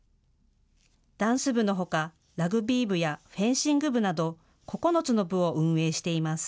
ダンス部のほかラグビー部やフェンシング部など９つの部を運営しています。